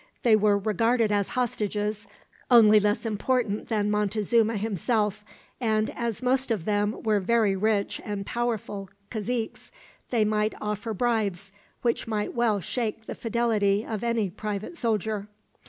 They were regarded as hostages, only less important than Montezuma himself; and as most of them were very rich and powerful caziques, they might offer bribes which might well shake the fidelity of any private soldier.